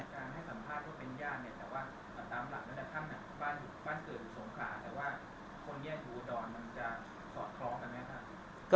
การให้สัมภาษณ์ก็เป็นญาติเนี่ยแต่ว่าตามหลักตั้งแต่ท่านน่ะบ้านบ้านเกิดสงขาแต่ว่าคนเงียดดูดอนมันจะสอดคล้องกันไหมครับ